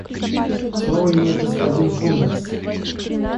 Слово имеет господин Кундерс.